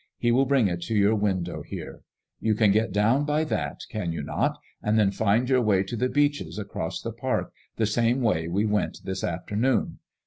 He will bring it to your window here. You can get down by that, can you not, and then find your way to the Beeches, across the park, the same way we went this afternoon